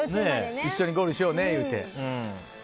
一緒にゴールしようね言うて。